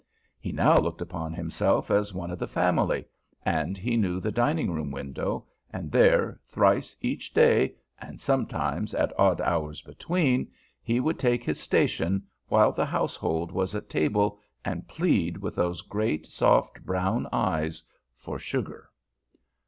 He now looked upon himself as one of the family, and he knew the dining room window, and there, thrice each day and sometimes at odd hours between, he would take his station while the household was at table and plead with those great soft brown eyes for sugar.